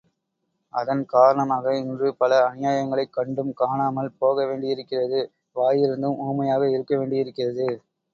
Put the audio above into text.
அதன் காரணமாக இன்று பல அநியாயங்களைக் கண்டும் காணாமல் போகவேண்டியிருக்கிறது வாயிருந்தும் ஊமையாக இருக்க வேண்டியிருக்கிறது.